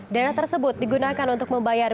dana tersebut digunakan untuk membayar